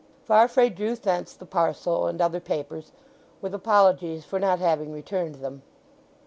Farfrae drew thence the parcel, and other papers, with apologies for not having returned them.